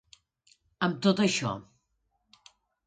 Amb tot això.